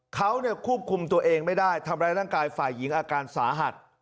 เขาควบคุมตัวเองไม่ได้ทำร้ายร่างกายฝ่ายหญิงอาการสาหัส